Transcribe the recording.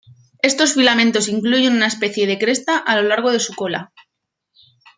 Estos filamentos incluyen una especie de cresta a lo largo de su cola.